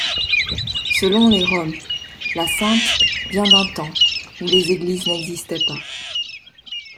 Selon les Roms, la Sainte vient d'un temps où les églises n'existaient pas.